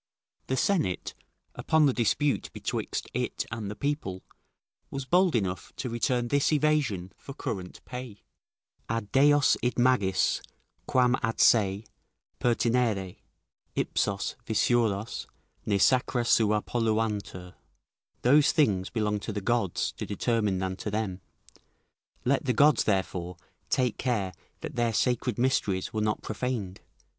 The Senate, upon the dispute betwixt it and the people about the administration of their religion, was bold enough to return this evasion for current pay: "Ad deos id magis, quam ad se, pertinere: ipsos visuros, ne sacra sua polluantur;" ["Those things belong to the gods to determine than to them; let the gods, therefore, take care that their sacred mysteries were not profaned."